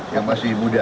yang masih muda